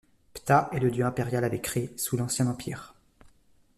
Ptah est le dieu impérial avec Rê sous l'Ancien Empire.